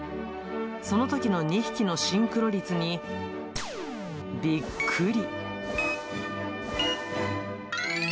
そのときの２匹のシンクロ率に、びっくり。